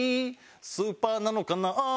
「スーパーなのかな？」